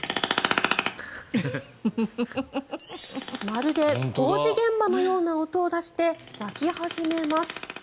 まるで工事現場のような音を出して鳴き始めます。